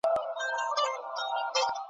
ولسي جرګه تل د فساد مخنيوی کوي.